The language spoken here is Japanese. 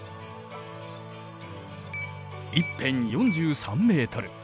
一辺４３メートル。